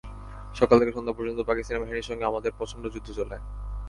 সকাল থেকে সন্ধ্যা পর্যন্ত পাকিস্তানি বাহিনীর সঙ্গে আমাদের প্রচণ্ড যুদ্ধ চলে।